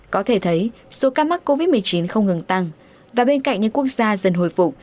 có thể thấy số ca mắc covid một mươi chín không ngừng tăng và bên cạnh những quốc gia dần hồi phục